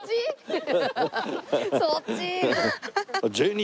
そっち。